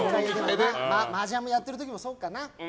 マージャンをやってる時もそうかな。